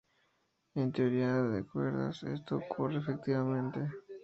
En teoría de cuerdas, esto ocurre efectivamente.